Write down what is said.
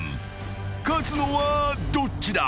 ［勝つのはどっちだ？］